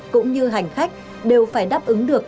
cũng như hành khách đều phải đáp ứng được